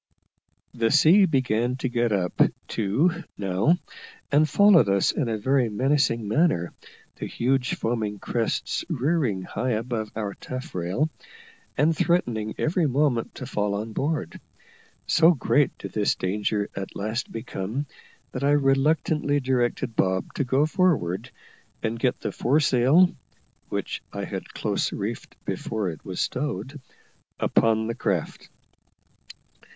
The sea began to get up, too, now, and followed us in a very menacing manner, the huge foaming crests rearing high above our taffrail, and threatening every moment to fall on board. So great did this danger at last become, that I reluctantly directed Bob to go forward and get the foresail (which I had close reefed before it was stowed) upon the craft.